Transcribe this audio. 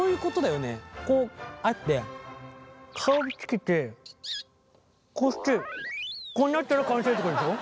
こうあって顔つけてこうしてこうなったら完成ってことでしょ？